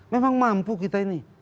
memang mampu kita ini